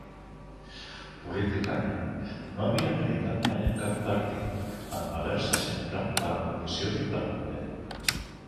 Políticament, no havia militat mai en cap partit, en valer-se sempre de la condició d'independent.